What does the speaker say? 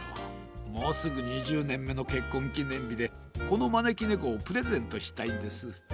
もうすぐ２０ねんめのけっこんきねんびでこのまねきねこをプレゼントしたいんです。